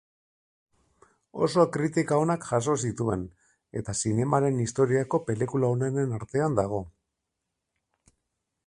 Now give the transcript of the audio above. Oso kritika onak jaso zituen, eta zinemaren historiako pelikula onenen artean dago.